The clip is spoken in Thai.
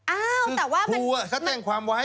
อ้าวแต่ว่ามันคือครูเขาแจ้งความไว้